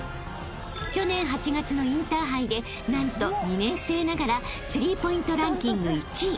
［去年８月のインターハイで何と２年生ながらスリーポイントランキング１位］